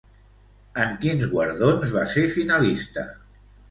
En quins guardons va ser finalista?